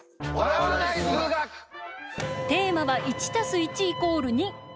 テーマは、１＋１＝２。